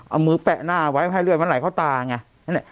เอามือแปะหน้าไว้ให้เลือดมันไหลเข้าตาไง